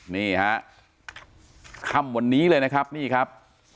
นี่ฮะค่ำวันนี้เลยนะครับนี่ครับ